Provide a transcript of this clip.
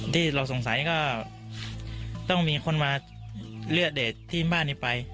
ที่เราสงสัยก็ต้องมีคนมาเลือดเดทที่บ้านนี้ไป